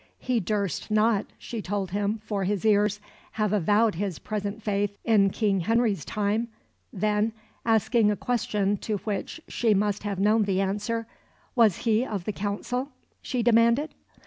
He durst not, she told him, for his ears, have avowed his present faith in King Henry's time; then asking a question to which she must have known the answer was he of the Council? she demanded.